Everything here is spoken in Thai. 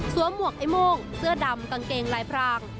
หมวกไอ้โม่งเสื้อดำกางเกงลายพราง